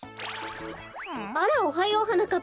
あらおはようはなかっぱ。